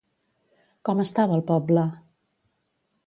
Com estava el poble?